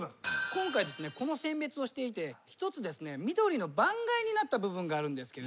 今回この選別をしていて緑の番外になった部分があるんですけれども。